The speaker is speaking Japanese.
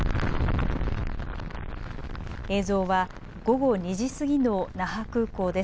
映像は午後２時過ぎの那覇空港です。